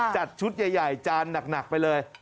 จัดชุดใหญ่จานหนักไปเลย